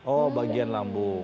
oh bagian lambung